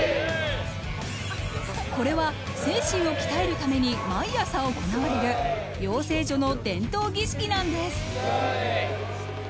これは、精神を鍛えるために毎朝行われる養成所の伝統儀式なんです。